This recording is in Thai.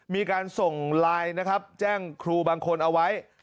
มีการส่งไลน์นะครับแจ้งครูบางคนเอาไว้